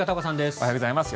おはようございます。